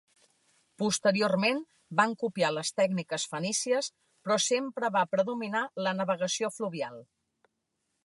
Posteriorment van copiar les tècniques fenícies però sempre va predominar la navegació fluvial.